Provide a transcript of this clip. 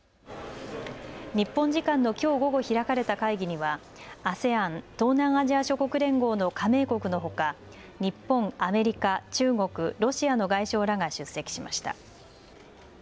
日本時間のきょう午後開かれた会議にはＡＳＥＡＮ・東南アジア諸国連合の加盟国のほか、日本、アメリカ、中国、ロシアの外相らが出席しました。